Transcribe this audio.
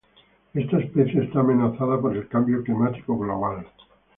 Esta especie está amenazada por el cambio climático global.